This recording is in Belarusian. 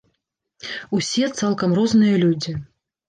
Усе цалкам розныя людзі.